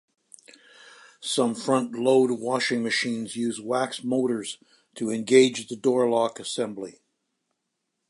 Some front load washing machines use wax motors to engage the door lock assembly.